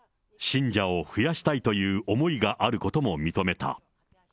信者を増やしたいという思いがあることも認めた。